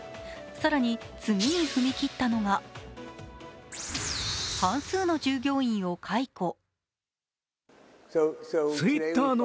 更に次に踏み切ったのが、半数の従業員を解雇。